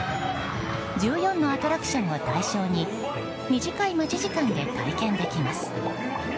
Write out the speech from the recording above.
１４のアトラクションを対象に短い待ち時間で体験できます。